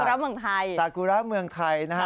ระเมืองไทยสากุระเมืองไทยนะฮะ